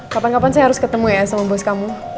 kapan kapan saya harus ketemu ya sama bos kamu